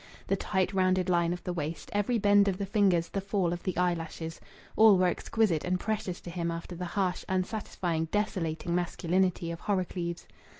The tight rounded line of the waist, every bend of the fingers, the fall of the eye lashes all were exquisite and precious to him after the harsh, unsatisfying, desolating masculinity of Horrocleave's.